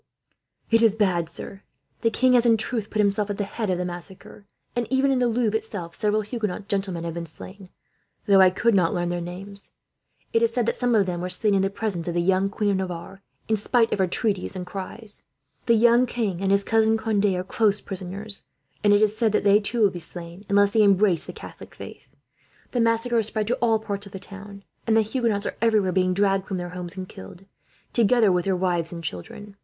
"It is bad, sir. The king has, in truth, put himself at the head of the massacre; and even in the Louvre, itself, several Huguenot gentlemen have been slain, though I could not learn their names. It is said that some of them were slain in the presence of the young Queen of Navarre, in spite of her entreaties and cries. The young king and his cousin Conde are close prisoners; and it is said that they, too, will be slain, unless they embrace the Catholic faith. "The massacre has spread to all parts of the town, and the Huguenots are everywhere being dragged from their homes and killed, together with their wives and children.